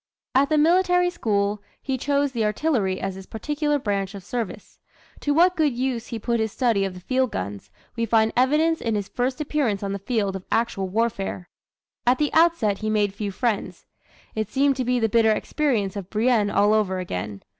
At the Military School, he chose the artillery as his particular branch of service. To what good use he put his study of the field guns, we find evidence in his first appearance on the field of actual warfare. At the outset he made few friends; it seemed to be the bitter experience of Brienne all over again.